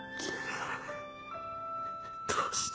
どうして。